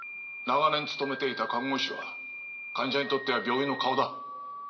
長年勤めていた看護師は患者にとっては病院の顔だ。